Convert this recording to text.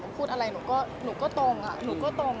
หนูพูดอะไรหนูก็ตรง